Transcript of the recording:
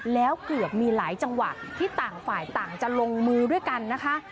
แล้วเกือบมีหลายจังหวะที่ต่างฝ่ายต่างจะลงมือด้วยกันนะคะ